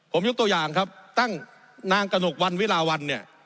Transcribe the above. ผมยกตัวอย่างครับตั้งนางกระหนกวันวิลาวันเนี่ย